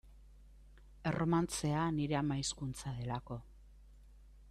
Erromantzea nire ama hizkuntza delako.